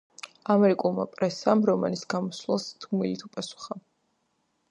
ამერიკულმა პრესამ რომანის გამოსვლას დუმილით უპასუხა.